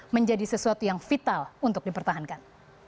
menjadi sesuatu yang vital untuk dipertahankan